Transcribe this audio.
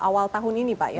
awal tahun ini pak